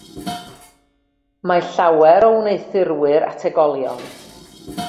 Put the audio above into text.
Mae llawer o wneuthurwyr ategolion.